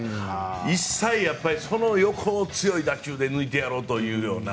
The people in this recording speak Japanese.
一切その横を強い打球で抜いてやろうというような。